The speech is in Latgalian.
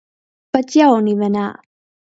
Pat jaunive nā.